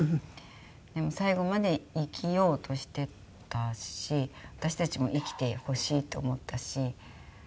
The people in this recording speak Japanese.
でも最期まで生きようとしていたし私たちも生きてほしいと思ったし。